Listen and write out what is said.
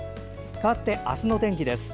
かわって、明日の天気です。